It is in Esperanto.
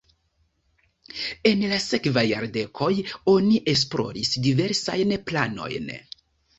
En la sekvaj jardekoj oni esploris diversajn planojn.